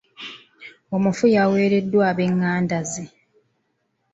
Omufu yaweereddwa ab'enganda ze.